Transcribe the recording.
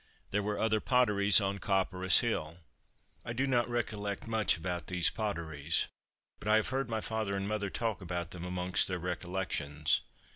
There were other potteries on Copperas hill. I do not recollect much about these potteries; but I have heard my father and mother talk about them amongst their "Recollections."